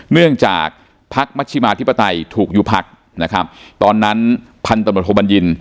เนื่องจากพักมัชิมาธิปไตยถูกยุบพักนะครับตอนนั้นพันตำรวจโทบัญญิน